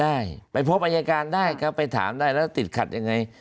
ได้ไปพบอายการได้ครับไปถามได้แล้วติดขัดยังไง